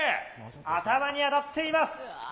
頭に当たっています。